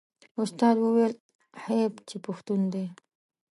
استاد وویل حیف چې پښتون دی.